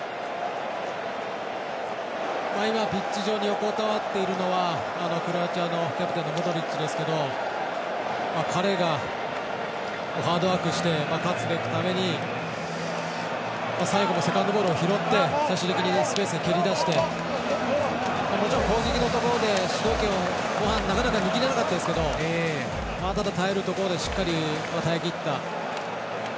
ピッチ上に横たわっているのはクロアチアのキャプテンのモドリッチですけど彼がハードワークして勝つべくために最後もセカンドボールを拾って最終的にスペースに蹴り出してもちろん攻撃のところで後半、なかなか握れなかったですけどただ、耐えるところでしっかり耐えきった。